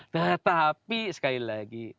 tetapi sekali lagi